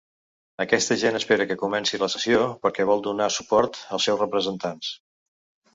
Aquesta gent espera que comenci la sessió perquè vol donar suport als seus representants.